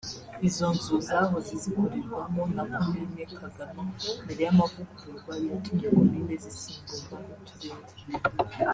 Izo nzu zahoze zikorerwagamo na komine Kagano mbere y’amavugururwa yatumye komine zisimburwa n’ uturere